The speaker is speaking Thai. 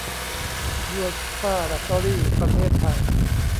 ยัวซ่าแบตเตอรี่ ประเทศไทย